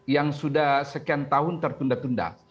yang sudah sekian tahun tertunda tunda